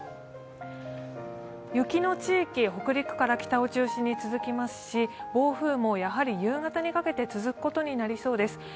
雪の地域、北陸から北を中心に続きますし、暴風もやはり夕方にかけて続くことになりそうです。